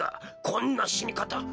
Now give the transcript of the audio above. こんな死に方。